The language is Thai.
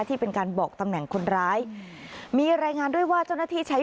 ที่เป็นการบอกตำแหน่งคนร้ายมีรายงานด้วยว่าเจ้าหน้าที่ใช้